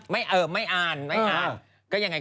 ไม่อ่าน